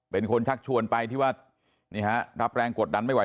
เป็นคนชักชวนไปที่ว่านี่ฮะรับแรงกดดันไม่ไห